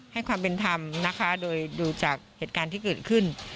ความเป็นธรรมนะคะโดยดูจากเหตุการณ์ที่เกิดขึ้น